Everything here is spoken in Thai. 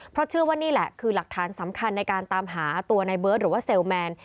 เพราะเชื่อว่านี่แหละคือหลักฐานสำคัญในการตามหาตัวในเบิร์ตหรือว่าเซลลแมน